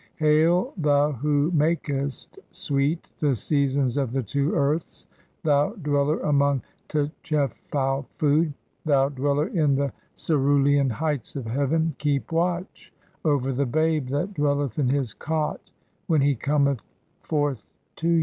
Hail, thou who makest sweet the "seasons of the two earths, thou dweller among tchefau food, "thou dweller in the cerulean heights of heaven, 2 keep watch "over the Babe that dwelleth in his (6) cot when he cometh "forth to you."